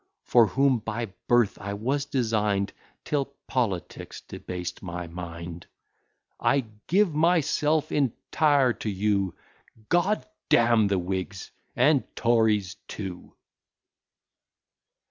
For whom by birth I was design'd, Till politics debased my mind; I give myself entire to you; G d d n the Whigs and Tories too!